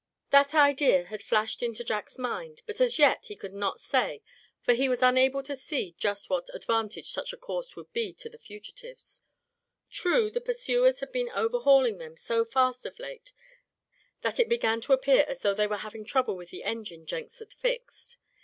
That idea had flashed into Jack's mind, but as yet he could not say; for he was unable to see just what advantage such a course would be to the fugitives. True, the pursuers had been overhauling them so fast of late that it began to appear as though they were having trouble with the engine Jenks had fixed.